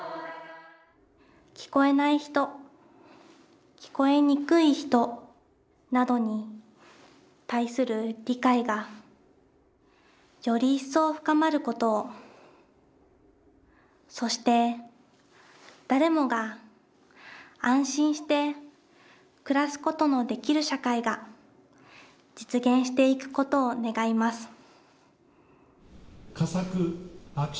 聞こえない人聞こえにくい人などに対する理解がより一層深まることをそして誰もが安心して暮らすことのできる社会が実現していくことを願います。